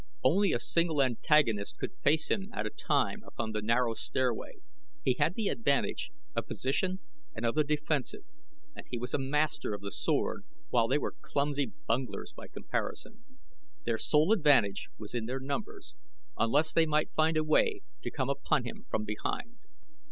Only a single antagonist could face him at a time upon the narrow stairway, he had the advantage of position and of the defensive, and he was a master of the sword while they were clumsy bunglers by comparison. Their sole advantage was in their numbers, unless they might find a way to come upon him from behind.